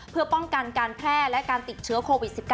เพื่อป้องกันการแพร่และการติดเชื้อโควิด๑๙